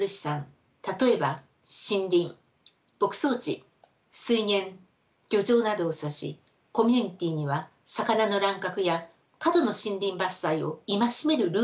例えば森林牧草地水源漁場などを指しコミュニティーには魚の乱獲や過度の森林伐採を戒めるルールがありました。